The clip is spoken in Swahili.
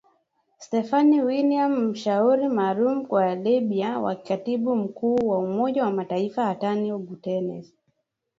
Stephanie Williams mshauri maalum kwa Libya wa katibu mkuu wa Umoja wa Mataifa Antonio Guterres.